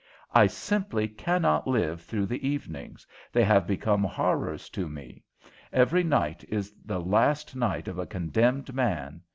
"I simply cannot live through the evenings. They have become horrors to me. Every night is the last night of a condemned man.